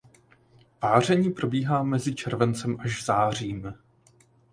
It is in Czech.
Páření probíhá mezi červencem až zářím.